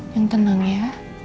yang tenang ya